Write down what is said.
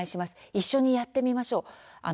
一緒にやってみましょう。